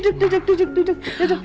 duduk duduk duduk